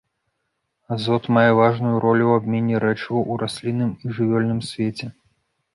Азот мае важную ролю ў абмене рэчываў у раслінным і жывёле свеце.